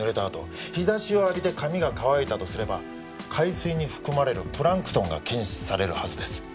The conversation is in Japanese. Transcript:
あと日差しを浴びて髪が乾いたとすれば海水に含まれるプランクトンが検出されるはずです。